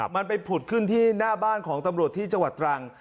มันไปผุดขึ้นที่หน้าบ้านของตำรวจที่จังหวัดตรัง